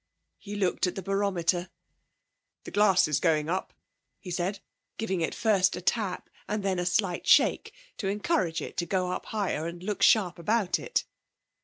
He looked at the barometer. 'The glass is going up,' he said, giving it first a tap and then a slight shake to encourage it to go up higher and to look sharp about it.